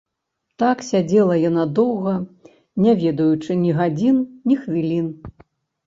Так сядзела яна доўга, не ведаючы ні гадзін, ні хвілін.